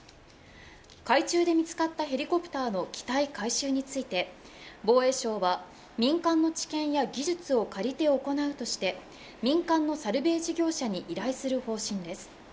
海中で見つかったヘリコプターの機体回収について、防衛省は民間の知見や技術を借りて行うとして民間のサルベージ業者に依頼する方針です。